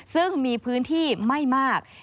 ซึ่งมีพื้นที่ไม่มาก